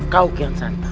kau kian santan